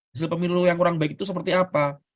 hasil pemilu yang kurang baik itu seperti apa